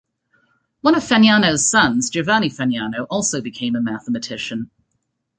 One of Fagnano's sons, Giovanni Fagnano, also became a mathematician.